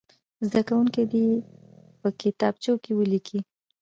زده کوونکي دې یې په کتابچو کې ولیکي.